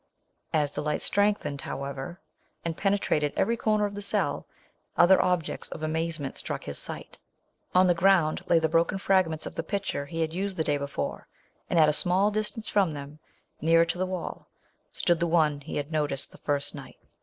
As the light strengthened, however, and pe netrated every corner of the cell, other objects of amazement struck his sight. On the ground lay the broken fragments of the pitcher he had used the day before, and at a small distance from them, nearer to he wall, stood the one he had noti the first night.